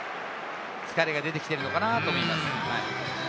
疲れが出てきてるのかなと思います。